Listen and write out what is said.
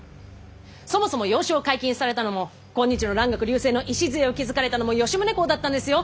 そもそも洋書を解禁されたのも今日の蘭学隆盛の礎を築かれたのも吉宗公だったんですよ。